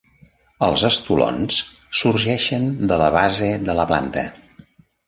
Els estolons sorgeixen de la base de la planta.